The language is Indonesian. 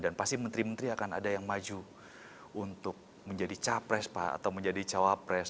dan pasti menteri menteri akan ada yang maju untuk menjadi capres pak atau menjadi cawapres